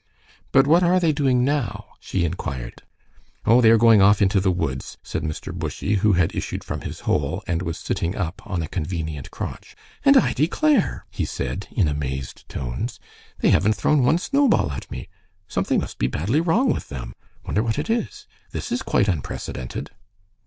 "But what are they doing now?" she inquired. "Oh, they are going off into the woods," said Mr. Bushy, who had issued from his hole and was sitting up on a convenient crotch. "And I declare!" he said, in amazed tones, "they haven't thrown one snowball at me. Something must be badly wrong with them. Wonder what it is? This is quite unprecedented."